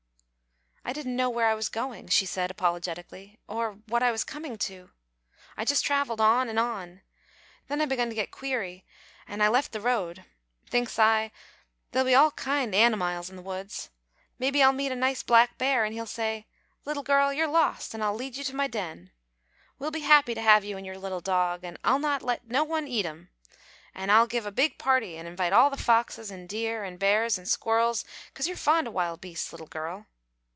"I didn't know where I was goin'," she said, apologetically, "or what I was comin' to. I jus' travelled on an' on. Then I begun to get queery an' I left the road. Thinks I, there'll be kind animiles in the woods. Mebbe I'll meet a nice black bear, an' he'll say, 'Little girl, you're lost an' I'll lead you to my den. We'll be happy to have you an' your little dog, an' I'll not let no one eat him, an' I'll give a big party an' invite all the foxes, an' deer, an' bears an' squirrels 'cause you're fond o' wild beasts, little girl.'